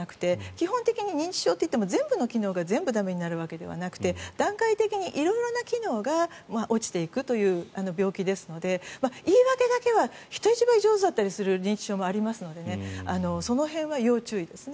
基本的に認知症といっても全部の機能が駄目になるわけではなくて段階的に色々な機能が落ちていくという病気ですので言い訳だけは人一倍上手だったりする認知症もありますのでその辺は要注意ですね。